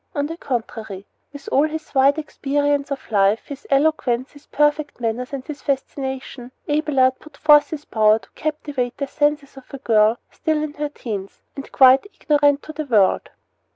On the contrary, with all his wide experience of life, his eloquence, his perfect manners, and his fascination, Abelard put forth his power to captivate the senses of a girl still in her teens and quite ignorant of the world.